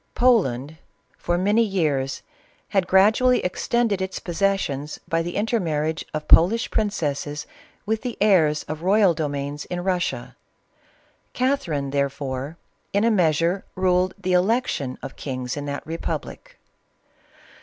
Poland, for many years, had gradually extended its possessions by the inter marriage of Polish princesses with the heirs of royal domains in Eussia. Catherine, therefore, in a measure ruled the election of kings in that republic.